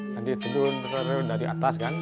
nanti tebun dari atas kan